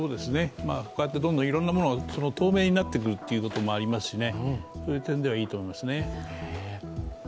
こうやってどんどんいろんなものが、透明になってくるというのもありますしそういう点ではいいと思いますね。